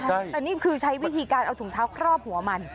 แต่นี่คือใช้วิธีการเอาถุงเท้าครอบหัวมัน